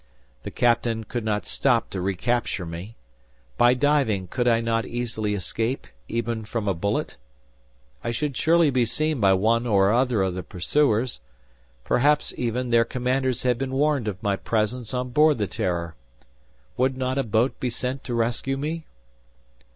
The captain could not stop to recapture me. By diving could I not easily escape, even from a bullet? I should surely be seen by one or other of the pursuers. Perhaps, even, their commanders had been warned of my presence on board the "Terror." Would not a boat be sent to rescue me?